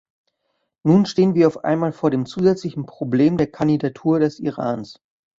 Nun stehen wir auf einmal vor dem zusätzlichen Problem der Kandidatur des Irans.